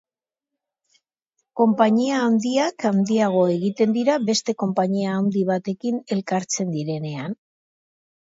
Konpainia handiak handiago egiten dira beste konpainia handi batekin elkartzen direnean.